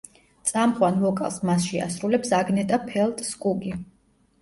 წამყვან ვოკალს მასში ასრულებს აგნეტა ფელტსკუგი.